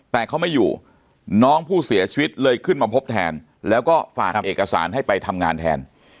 แต่เขาไม่อยู่น้องผู้เสียชีวิตเลยขึ้นมาพบแทนแล้วก็ฝากเอกสารให้ไปทำงานแทน